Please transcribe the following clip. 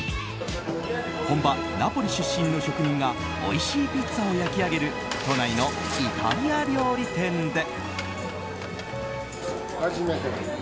本場ナポリ出身の職人がおいしいピッツァを焼き上げる都内のイタリア料理店で。